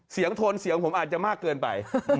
โทนเสียงผมอาจจะมากเกินไป